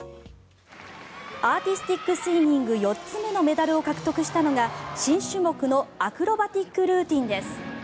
アーティスティックスイミング４つ目のメダルを獲得したのが新種目のアクロバティックルーティンです。